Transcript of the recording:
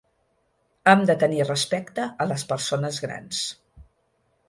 Hem de tenir respecte a les persones grans.